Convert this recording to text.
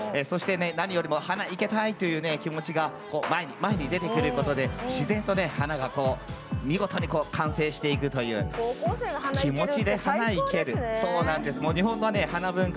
何よりも花生けたいという気持ちが前に前に出てくることで自然と花が見事に完成していくという気持ちで花を生ける。